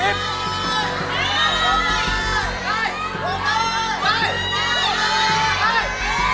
ร้องได้